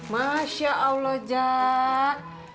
masya allah jak